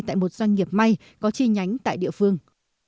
tại một doanh nghiệp may có chi nhánh tại địa phương